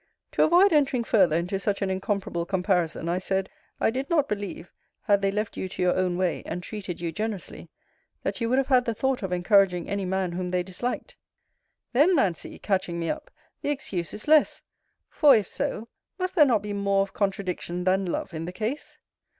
To avoid entering further into such an incomparable comparison, I said, I did not believe, had they left you to your own way, and treated you generously, that you would have had the thought of encouraging any man whom they disliked Then, Nancy, catching me up, the excuse is less for if so, must there not be more of contradiction, than love, in the case?